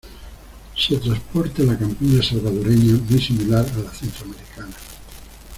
Se transporte a la campiña salvadoreña, muy similar a la centroamericana.